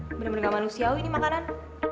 ini bener bener gak manusia wih ini makanan